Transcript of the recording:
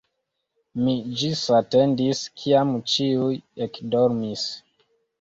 Mi ĝisatendis, kiam ĉiuj ekdormis.